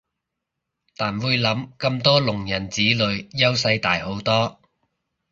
但會諗咁多聾人子女優勢大好多